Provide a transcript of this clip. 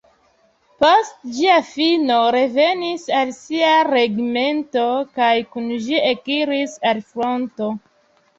Post ĝia fino revenis al sia regimento kaj kun ĝi ekiris al fronto.